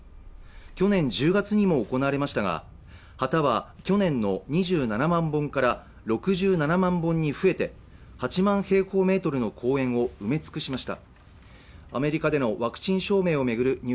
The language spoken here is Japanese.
去年１０月にも行われましたが旗は去年の２７万本から６７万本に増えて８万平方メートルの公園を埋め尽くしました。